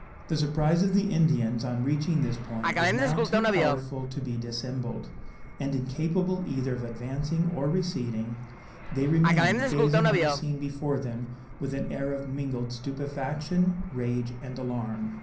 The surprise of the Indians on reaching this point was now too powerful to be dissembled; and incapable either of advancing or receding, they remained gazing on the scene before them with an air of mingled stupefaction, rage, and alarm.